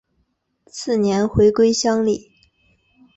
次年回归乡里。